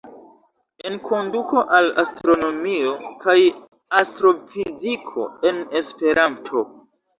"Enkonduko al astronomio kaj astrofiziko" - en Esperanto!